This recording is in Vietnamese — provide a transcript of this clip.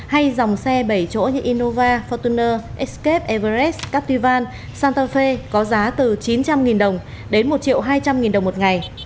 hay dòng xe bảy chỗ như innova fortuner escape everest captivan santa fe có giá từ chín trăm linh đồng đến một hai trăm linh đồng một ngày